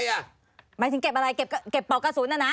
หมายถึงเก็บอะไรเก็บปอกกระสุนนะนะ